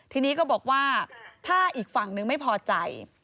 ทีนี้ก็บอกว่าถ้าอีกฝั่งนึงไม่พอใจ